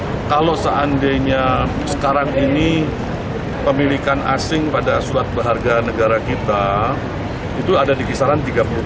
nah kalau seandainya sekarang ini pemilikan asing pada surat berharga negara kita itu ada di kisaran tiga puluh dua